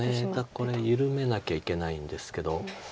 だからこれ緩めなきゃいけないんですけど。